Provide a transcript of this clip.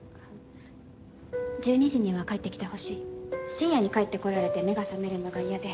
１２時には帰ってきてほしい深夜に帰ってこられて目が覚めるのが嫌で